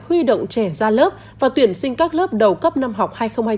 huy động trẻ ra lớp và tuyển sinh các lớp đầu cấp năm học hai nghìn hai mươi hai nghìn hai mươi một